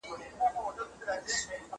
جګړه د انسانانو لپاره لویه تراژیدي ده.